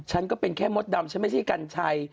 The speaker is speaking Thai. ฉันก็เป็นแค่มดดำฉันไม่ใช่กัญชัย